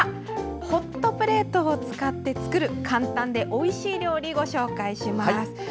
ホットプレートを使って作る簡単でおいしい料理ご紹介します。